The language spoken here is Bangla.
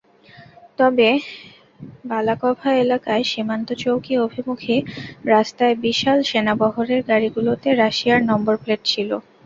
তবে বালাকভা এলাকায় সীমান্তচৌকি অভিমুখী রাস্তায় বিশাল সেনাবহরের গাড়িগুলোতে রাশিয়ার নম্বরপ্লেট ছিল।